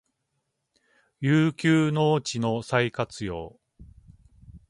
遊休農地の再活用